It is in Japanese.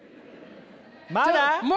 まだ？